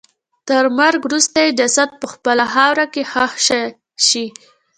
تر مرګ وروسته یې جسد په خپله خاوره کې ښخ شي.